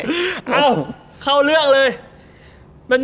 ้า้้อเอาคลือเรื่องเลย